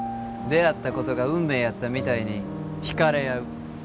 出会ったことが運命やったみたいに引かれ合う。